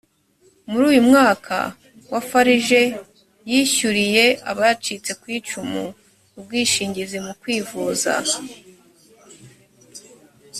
muri uyu mwaka wa farg yishyuriye abacitse ku icumu ubwishingizi mu kwivuza